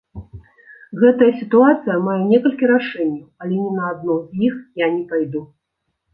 Гэтая сітуацыя мае некалькі рашэнняў, але ні на адно з іх я не пайду.